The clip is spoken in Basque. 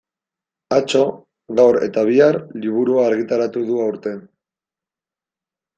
Atzo, gaur eta bihar liburua argitaratu du aurten.